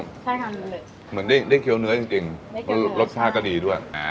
ใช่ค่ะเหมือนได้เคี้ยวเนื้อจริงเพราะรสชาติก็ดีด้วย